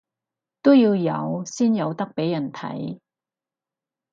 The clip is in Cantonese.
都要有先有得畀人睇